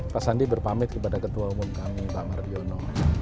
pak sandi berpamit kepada ketua umum kami pak mardiono